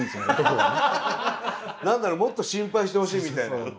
何だろうもっと心配してほしいみたいな。